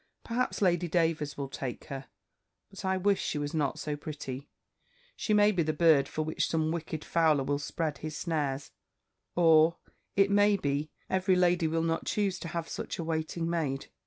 Perhaps Lady Davers will take her. But I wish she was not so pretty! She may be the bird for which some wicked fowler will spread his snares; or, it may be, every lady will not choose to have such a waiting maid.